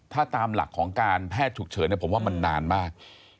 ถ้าตามหลักของการแพทย์ฉุกเฉินผมว่ามันนานมาก